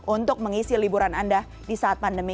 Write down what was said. untuk mengisi liburan anda di saat pandemi